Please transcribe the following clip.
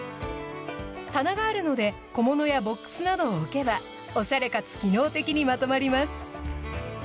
棚があるので小物やボックスなどを置けばオシャレかつ機能的にまとまります。